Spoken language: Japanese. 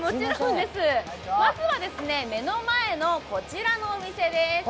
まずは目の前のこちらのお店です。